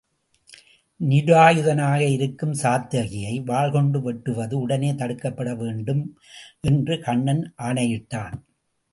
நிராயுதனாக இருக்கும் சாத்தகியை வாள்கொண்டு வெட்டுவது உடனே தடுக்கப்பட வேண்டும் என்று கண்ணன் ஆணையிட்டான்.